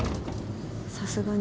さすがに。